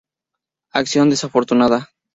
Acción desafortunada.